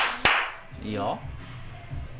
いいよ。